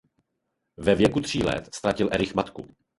Ve věku tří let ztratil Erich matku.